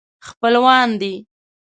خپلوان دي.